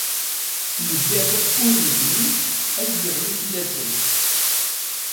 Nnger iɣef ur bnin ad d-iɣli fell-asen.